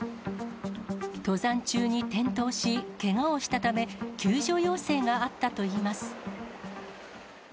登山中に転倒し、けがをしたため、救助要請があったといいます。